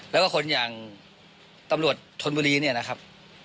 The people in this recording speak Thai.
แล้วก็คนอย่างตำรวจธนบุรีเนี่ยนะครับ